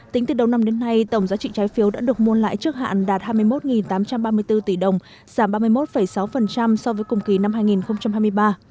tính từ đầu năm đến nay tổng giá trị trái phiếu đã được mua lại trước hạn đạt hai mươi một tám trăm ba mươi bốn tỷ đồng giảm ba mươi một sáu so với cùng kỳ năm hai nghìn hai mươi ba